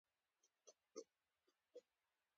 ایا مصنوعي ځیرکتیا د شتمنۍ نابرابري نه زیاتوي؟